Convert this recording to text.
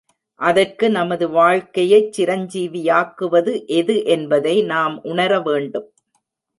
அதற்கு நமது வாழ்க்கையைச் சிரஞ்சீவியாக்குவது எது என்பதை நாம் உணர வேண்டும்.